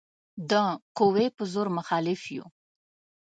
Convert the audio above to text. د قوې په زور مخالف یو.